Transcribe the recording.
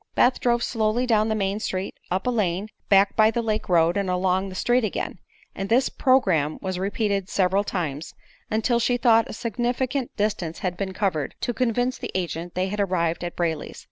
Beth drove slowly down the main street, up a lane, back by the lake road and along the street again; and this programme was repeated several times, until she thought a sufficient distance had been covered to convince the agent they had arrived at Brayley's.